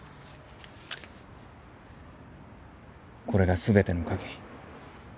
これが全ての鍵。